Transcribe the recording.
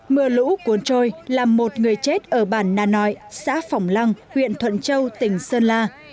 mưa lũ cuốn trôi làm một người chết ở bản na nội xã phỏng lăng huyện thuận châu tỉnh sơn la